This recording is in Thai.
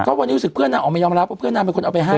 ก็วันนี้รู้สึกเพื่อนนางออกมายอมรับว่าเพื่อนนางเป็นคนเอาไปให้